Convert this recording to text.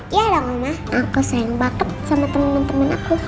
iya dong mama aku sayang banget sama temen temen aku